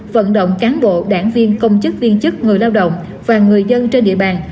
vận động cán bộ đảng viên công chức viên chức người lao động và người dân trên địa bàn